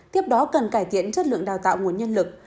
tiếp đó cần cải thiện chất lượng đào tạo nguồn nhân lực